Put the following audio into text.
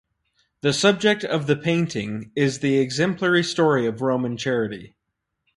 The subject of the painting is the exemplary story of Roman Charity.